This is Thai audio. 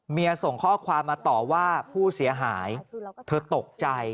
ส่งข้อความมาต่อว่าผู้เสียหายเธอตกใจ